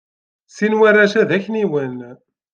Sin n warrac-a d akniwen.